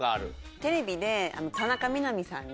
テレビで田中みな実さんが。